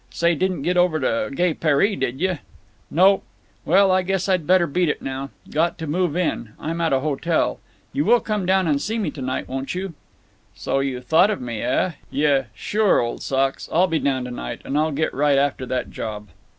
… Say, didn't get over to gay Paree, did you?" "Nope…. Well, I guess I'd better beat it now. Got to move in—I'm at a hotel. You will come down and see me to night, won't you?" "So you thought of me, eh?… Yuh—sure, old socks. I'll be down to night. And I'll get right after that job."